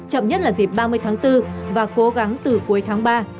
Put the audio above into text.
chậm nhất là dịp ba mươi tháng bốn và cố gắng từ cuối tháng ba